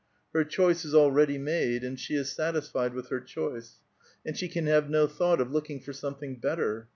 Her choice is already made, and she is satisfied with her choice ; and she can have no thought of looking for something better.